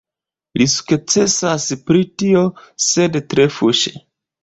Li sukcesas pri tio, sed tre fuŝe.